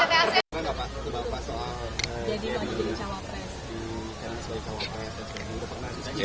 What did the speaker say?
bapak bapak jadi mau jadi cawapres